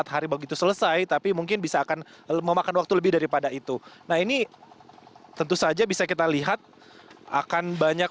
empat hari begitu selesai tapi mungkin bisa akan memakan waktu lebih daripada itu nah ini tentu saja bisa kita lihat akan banyak